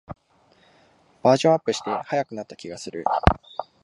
バージョンアップして速くなった気がする